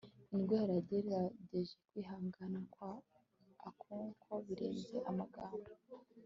indwara. yagerageje kwihangana kwa okonkwo birenze amagambo